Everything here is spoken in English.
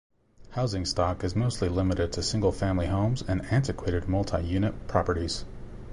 Housing stock is mostly limited to single family homes and antiquated multi-unit properties.